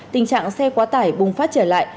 tình trạng xe quá tải bùng phát trở lại